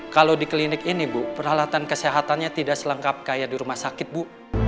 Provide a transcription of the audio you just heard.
kalau di klinik ini bu peralatan kesehatannya tidak selengkap kayak di rumah sakit bu